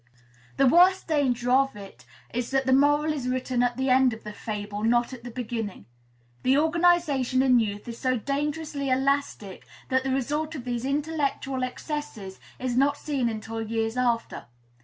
"The worst danger of it is that the moral is written at the end of the fable, not at the beginning. The organization in youth is so dangerously elastic that the result of these intellectual excesses is not seen until years after.